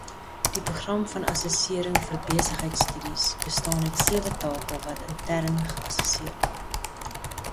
Die Program van Assessering vir Besigheidstudies bestaan uit sewe take wat intern geassesseer word.